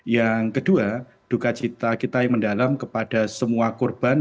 yang kedua duka cita kita yang mendalam kepada semua korban